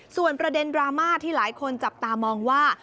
ส่วนประเด็นดราม่าที่หลายคนจับตามองว่า